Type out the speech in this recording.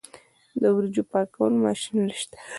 د وریجو پاکولو ماشینونه شته